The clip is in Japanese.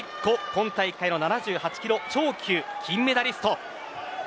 今大会の７８キロ超級金メダリスト。